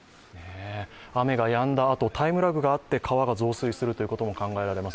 雨がやんだあと、タイムラグがあって川が増水することが考えられます。